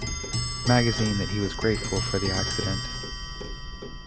Magazine that he was grateful for the accident.